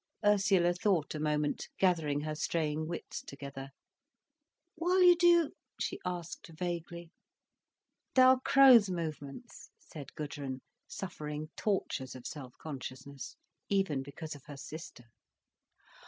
Ursula thought a moment, gathering her straying wits together. "While you do—?" she asked vaguely. "Dalcroze movements," said Gudrun, suffering tortures of self consciousness, even because of her sister.